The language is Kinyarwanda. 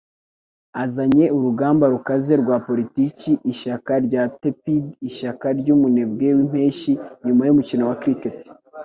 Azanye urugamba rukaze rwa politiki ishyaka rya tepid ishyaka ryumunebwe wimpeshyi nyuma yumukino wa cricket